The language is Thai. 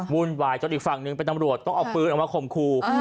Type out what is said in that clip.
บุ่นวายไว้จนอีกฝั่งนึงเป็นน้ำรวดต้องเอาปืนออกมาขมคู